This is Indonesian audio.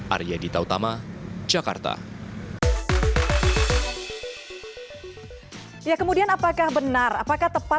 arya dita utama jakarta